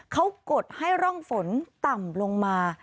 เขากดให้ร่องฝนต่ำลงมา